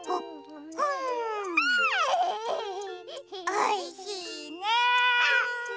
おいしいね！